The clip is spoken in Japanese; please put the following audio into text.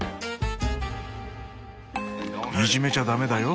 いじめちゃダメだよ。